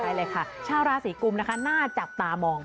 ได้เลยค่ะชาวราศีกุมนะคะน่าจับตามอง